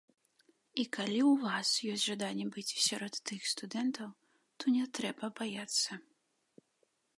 І калі ў вас ёсць жаданне быць сярод тых студэнтаў, то не трэба баяцца.